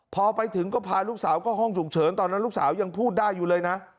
พอไปถึงก็พาลูกสาวเข้าห้องฉุกเฉินตอนนั้นลูกสาวยังพูดได้อยู่เลยนะ